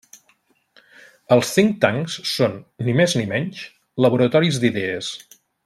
Els think tanks són, ni més ni menys, laboratoris d'idees.